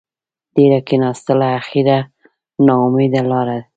ډېره کېناستله اخېر نااوميده لاړه.